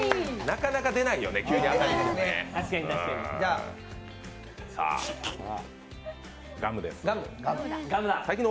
なかなか出ないよね、急に当たりって。